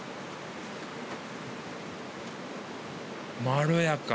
まろやか。